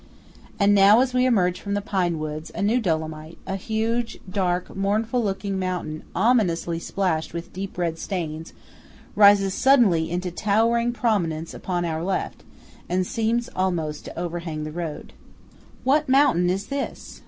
And now, as we emerge from the pine wood, a new Dolomite–a huge, dark, mournful looking mountain ominously splashed with deep red stains–rises suddenly into towering prominence upon our left, and seems almost to overhang the road. What mountain is this?